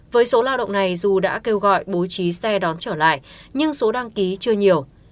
với số lao động này dù đã kêu gọi bố trí xe đón trở lại nhưng số đăng ký chưa nhiều